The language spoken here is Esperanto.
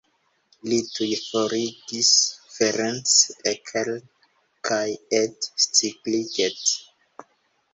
Li tuj forigis Ferenc Erkel kaj Ede Szigligeti.